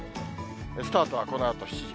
スタートはこのあと７時。